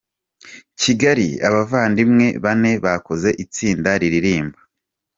Kigali Abavandimwe bane bakoze itsinda riririmba